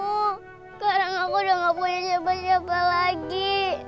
sekarang aku udah gak punya siapa siapa lagi